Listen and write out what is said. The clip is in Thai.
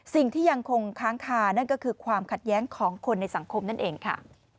สิ่งที่ยังคงค้างคานั่นก็คือความขัดแย้งของคนในสังคมนั่นเองค่ะ